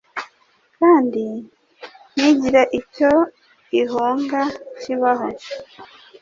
kandi ntigire icyo ihunga kibaho